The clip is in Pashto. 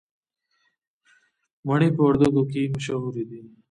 مڼې په وردګو کې مشهورې دي